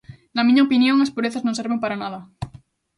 Na miña opinión, as purezas non serven para nada.